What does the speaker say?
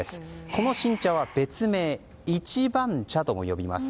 この新茶は別名・一番茶と呼びます。